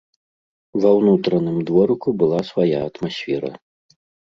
Ва ўнутраным дворыку была свая атмасфера.